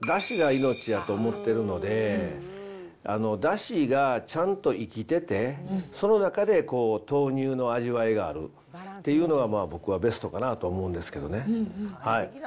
僕はやっぱり、スープ、だしが命やと思ってるので、だしがちゃんと生きてて、その中で豆乳の味わいがあるっていうのが僕はベストかなと思うんですけどね。